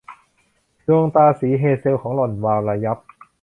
ดวงตาสีเฮเซลของหล่อนวาวระยับ